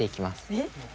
えっ？